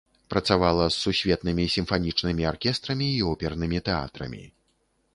Працавала з сусветнымі сімфанічнымі аркестрамі і опернымі тэатрамі.